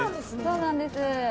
そうなんです。